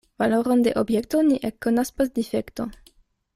Valoron de objekto ni ekkonas post difekto.